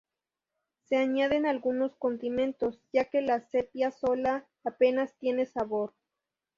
Se añaden algunos condimentos, ya que la sepia sola apenas tiene sabor.